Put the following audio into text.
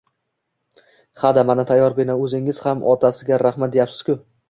— Ha-da, mana tayyor bino. O’zingiz ham otasiga rahmat, deyapsiz-ku.